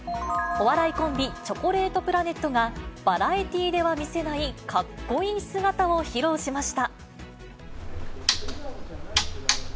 お笑いコンビ、チョコレートプラネットが、バラエティーでは見せない、かっこいい姿を披露しました。